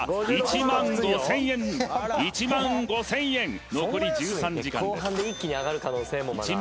１万５０００円１万５０００円残り１３時間です